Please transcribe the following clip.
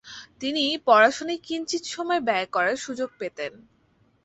তিনি পড়াশোনায় কিঞ্চিৎ সময় ব্যয় করার সুযোগ পেতেন।